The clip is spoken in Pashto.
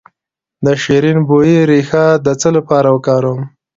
د شیرین بویې ریښه د څه لپاره وکاروم؟